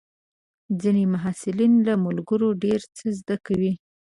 ځینې محصلین له ملګرو ډېر څه زده کوي.